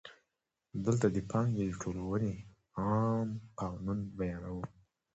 دلته د پانګې د ټولونې عام قانون بیانوو